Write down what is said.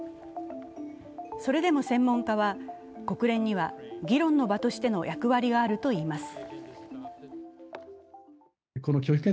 それでも専門家は、国連には議論の場としての役割があるといいます。